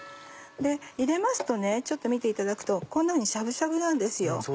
入れますとねちょっと見ていただくとこんなふうにしゃぶしゃぶなんですよ。